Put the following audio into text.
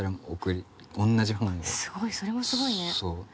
すごいそれもすごいね。